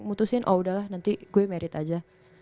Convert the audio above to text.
mutusin oh udahlah nanti gue merit aja